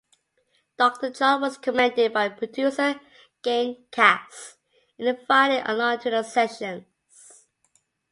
Doctor John was recommended by producer Gary Katz and invited along to the sessions.